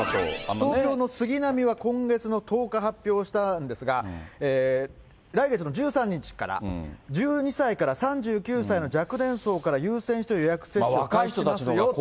東京の杉並は今月の１０日発表したんですが、来月の１３日から、１２歳から３９歳の若年層から優先して予約接種を開始しますよと。